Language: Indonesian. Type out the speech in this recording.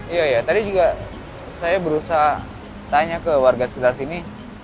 iya iya tadi juga saya berusaha tanya ke warga sekitar sini